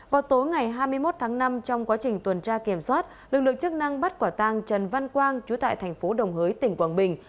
vào tối ngày hai mươi một tháng năm trong quá trình tuần tra kiểm soát lực lượng chức năng bắt quả tang trần văn quang chú tại thành phố đồng hới tỉnh quảng bình